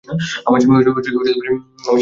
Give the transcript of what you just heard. আমার স্বামী এমন মানুষই না।